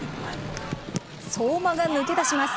相馬が抜け出します。